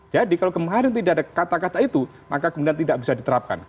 jadi kalau kemarin tidak ada kata kata itu maka kemudian tidak bisa diterapkan